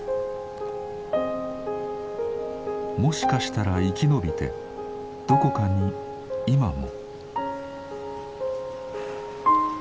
もしかしたら生き延びてどこかに今も。